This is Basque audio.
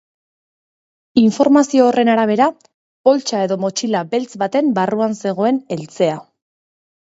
Informazio horren arabera, poltsa edo motxila beltz baten barruan zegoen eltzea.